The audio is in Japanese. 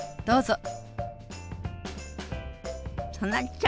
どうぞ。